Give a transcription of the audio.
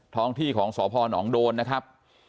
ท้องที่ของสพนโดนนะครับ